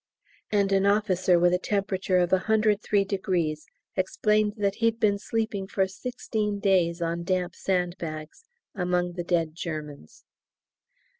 And an officer with a temperature of 103° explained that he'd been sleeping for sixteen days on damp sandbags "among the dead Germans."